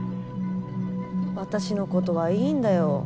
私のことはいいんだよ。